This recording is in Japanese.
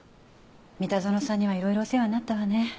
三田園さんにはいろいろお世話になったわね。